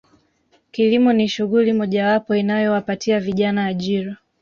Kilimo ni shughuli mojawapo inayowapatia vijana ajira